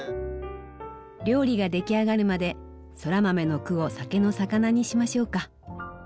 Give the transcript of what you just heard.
料理が出来上がるまでそら豆の句を酒のさかなにしましょうか。